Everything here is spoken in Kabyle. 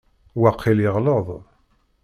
Waqil yeɣleḍ.